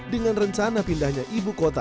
dengan rencana pindahnya ibu kota